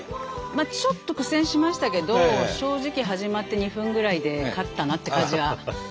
まあちょっと苦戦しましたけど正直始まって２分ぐらいで勝ったなって感じはしました。